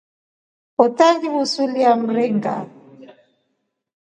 Utangibusulie mringa.